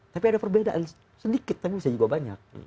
tapi ada perbedaan sedikit tapi bisa juga banyak